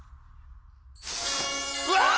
うわ！